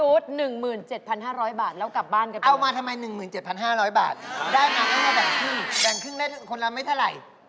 เวรแล้วกลับบ้านกันเอามาทำไม๑๗๐๐บาทด้านอากาศแบ่งครึ่งแบ่งครึ่งได้คนละไม่เท่าไหร่